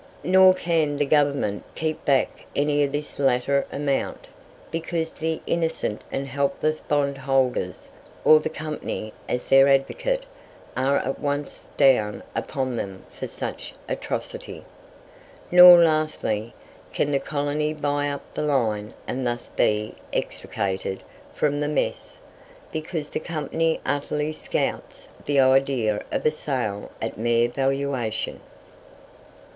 Nor can the Government keep back any of this latter amount, because the "innocent and helpless bond holders," or the company as their advocate, are at once down upon them for such atrocity. Nor, lastly, can the colony buy up the line and thus be extricated from the mess, because the company utterly scouts the idea of a sale at mere valuation.